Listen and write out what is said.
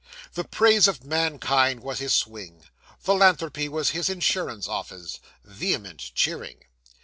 The praise of mankind was his swing; philanthropy was his insurance office. (Vehement cheering.)